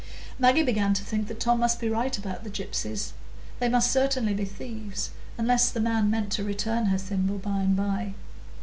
Maggie began to think that Tom must be right about the gypsies; they must certainly be thieves, unless the man meant to return her thimble by and by.